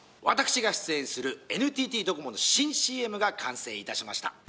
私が出演するＮＴＴドコモの新ＣＭが完成いたしました。